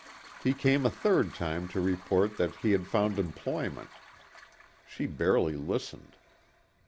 He came a third time to report that he had found employment. She barely listened.